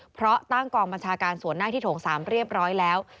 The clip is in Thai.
เพราะตั้งกองบัญชาการส่วนหน้าที่โถง๓เรียบร้อยแล้ว